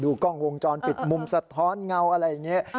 กล้องวงจรปิดมุมสะท้อนเงาอะไรอย่างนี้